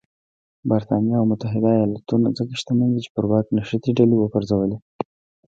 برېټانیا او متحده ایالتونه ځکه شتمن دي چې پر واک نښتې ډلې وپرځولې.